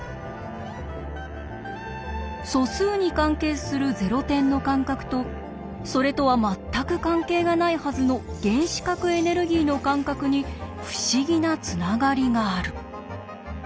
素数に関係するゼロ点の間隔とそれとは全く関係がないはずの原子核エネルギーの間隔に不思議なつながりがある。